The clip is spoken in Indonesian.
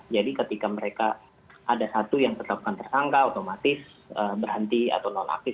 jadi ketika mereka ada satu yang tetapkan tersangka otomatis berhenti atau non aktif